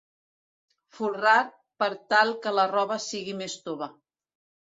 Folrar per tal que la roba sigui més tova.